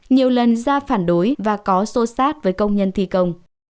nhiều lần ra phản đối và có sô sát với công nhân thi công